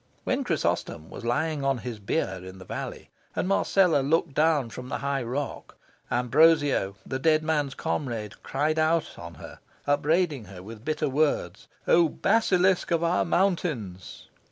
When Chrysostom was lying on his bier in the valley, and Marcella looked down from the high rock, Ambrosio, the dead man's comrade, cried out on her, upbraiding her with bitter words "Oh basilisk of our mountains!"